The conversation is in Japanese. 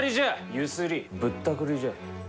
ゆすりぶったくりじゃ。